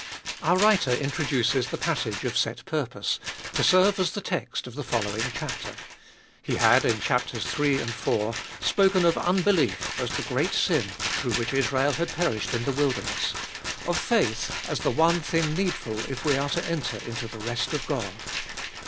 Our writer introduces the passage of set purpose, to serve as the text of the following chapter. He had in chaps, iii. and iv. spoken of unbelief as the great sin through which Israel had perished in the wilderness, of faith as the one thing needful if we are to enter into the rest of God.